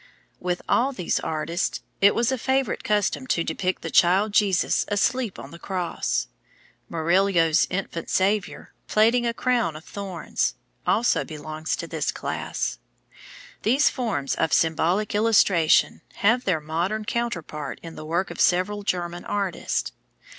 With all these artists it was a favorite custom to depict the child Jesus asleep on the cross. Murillo's Infant Saviour, plaiting a crown of thorns, also belongs to this class. These forms of symbolic illustration have their modern counterpart in the work of several German artists.